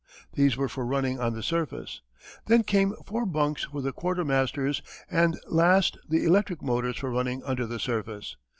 These were for running on the surface. Then came four bunks for the quartermasters and last the electric motors for running under the surface.